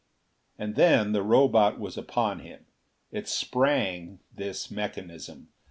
And then the Robot was upon him. It sprang this mechanism!